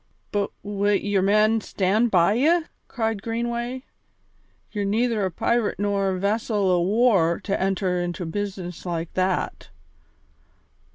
"But wi' your men stand by ye?" cried Greenway. "Ye're neither a pirate nor a vessel o' war to enter into a business like that."